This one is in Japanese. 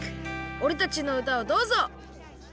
おれたちのうたをどうぞ！